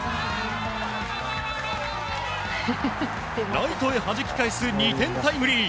ライトへはじき返す２点タイムリー！